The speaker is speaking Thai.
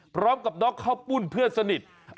พร้อมกับน้องข้าวปุ้นเพื่อนสนิท